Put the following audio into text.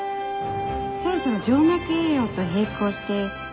そろそろ静脈栄養と並行して。